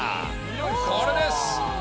これです。